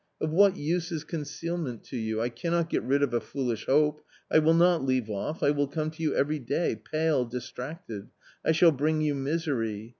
Of what use is concealment to you ? I cannot get rid of a foolish hope, I will not leave off, I will come to you every day, pale, distracted I shall bring you misery.